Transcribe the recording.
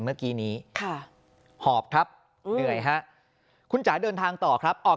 เมื่อกี้นี้ค่ะหอบครับเหนื่อยฮะคุณจ๋าเดินทางต่อครับออก